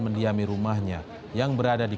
mendiami rumahnya yang berada di